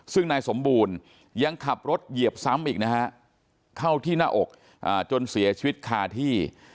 ซึ่งนายสมบูรณ์ยังขับรถเหยียบซ้ำอีกนะฮะเข้าที่หน้าอกจนเสียชีวิตคาที่